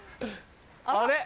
あれ？